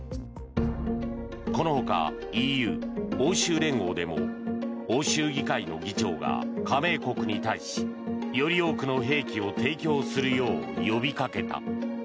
このほか、ＥＵ・欧州連合でも欧州議会の議長が加盟国に対しより多くの兵器を提供するよう呼びかけた。